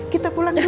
kita pulang dulu ya